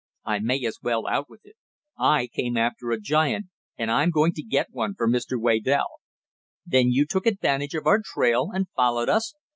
"I may as well out with it. I came after a giant, and I'm going to get one for Mr. Waydell." "Then you took advantage of our trail, and followed us?"